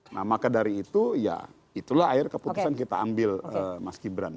nah maka dari itu ya itulah akhir keputusan kita ambil mas gibran